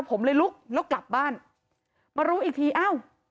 เห็นเขาดื่มเหล้าผมเลยลุกแล้วกลับบ้านมารู้อีกทีอ้าว